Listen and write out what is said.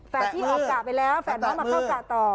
พี่ออกกะไปแล้วแฝดน้องมาเข้ากะต่อ